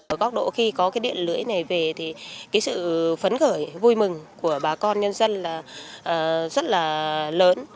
ở góc độ khi có cái điện lưới này về thì cái sự phấn khởi vui mừng của bà con nhân dân là rất là lớn